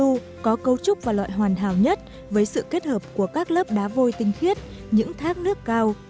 hang động ở gunung mulu có cấu trúc và loại hoàn hảo nhất với sự kết hợp của các lớp đá vôi tinh khiết những thác nước cao